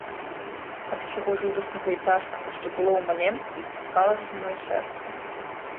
Ад усяго жудаснага і цяжкага, што было ў маленстве, сціскалася маё сэрца.